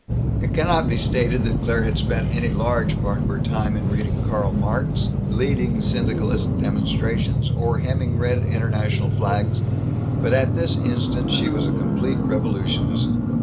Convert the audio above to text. It cannot be stated that Claire had spent any large part of her time in reading Karl Marx, leading syndicalist demonstrations, or hemming red internationalist flags, but at this instant she was a complete revolutionist.